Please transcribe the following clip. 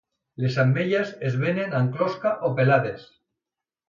Les ametlles es venen amb closca o pelades.